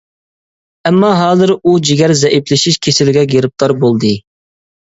ئەمما ھازىر ئۇ جىگەر زەئىپلىشىش كېسىلىگە گىرىپتار بولدى.